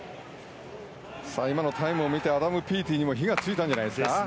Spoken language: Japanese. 今のタイムを見てアダム・ピーティにも火がついたんじゃないですか？